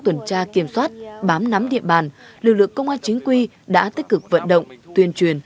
tuần tra kiểm soát bám nắm địa bàn lực lượng công an chính quy đã tích cực vận động tuyên truyền